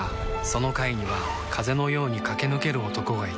その階には風のように駆け抜ける男がいた